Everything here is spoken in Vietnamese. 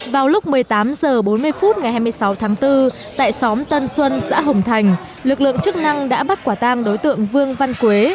vào lúc một mươi tám h bốn mươi phút ngày hai mươi sáu tháng bốn tại xóm tân xuân xã hồng thành lực lượng chức năng đã bắt quả tang đối tượng vương văn quế